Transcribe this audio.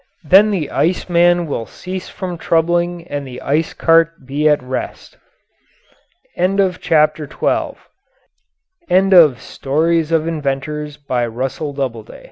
Then the ice man will cease from troubling and the ice cart be at rest. End of Project Gutenberg's Stories of Inventors, by Russell Doubleday END OF